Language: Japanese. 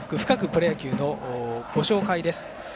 プロ野球」のご紹介です。